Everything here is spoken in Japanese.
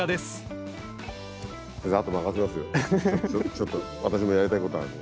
ちょっと私もやりたいことあるんで。